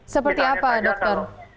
seperti apa dokter